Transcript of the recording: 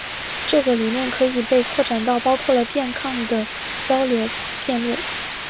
这个理论可以被扩展到包括了电抗的交流电路。